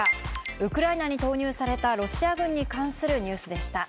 ウクライナに投入されたロシア軍に関するニュースでした。